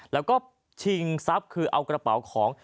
แล้วก็ชิงทรัพย์คือเอากระเป๋าของ